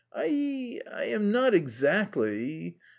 "I... I am not exactly....